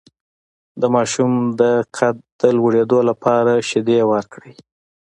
د ماشوم د قد د لوړیدو لپاره شیدې ورکړئ